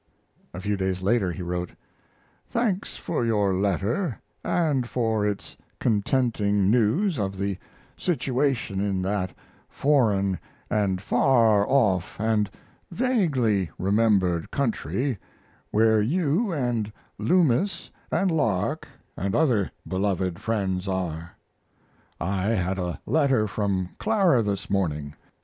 A few days later he wrote: Thanks for your letter & for its contenting news of the situation in that foreign & far off & vaguely remembered country where you & Loomis & Lark and other beloved friends are. I had a letter from Clara this morning.